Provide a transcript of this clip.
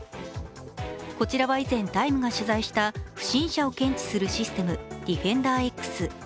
こちらは以前「ＴＩＭＥ，」が取材した不審者を検知するシステム、ディフェンダーＸ。